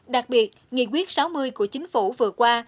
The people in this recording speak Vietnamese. đặc biệt nghị quyết sáu mươi của chính phủ vừa qua